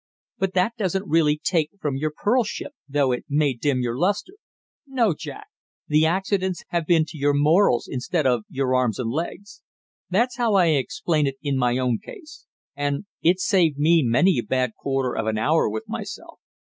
"But that doesn't really take from your pearlship, though it may dim your luster. No, Jack, the accidents have been to your morals instead of your arms and legs. That's how I explain it in my own case, and it's saved me many a bad quarter of an hour with myself.